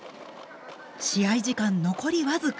試合時間残り僅か。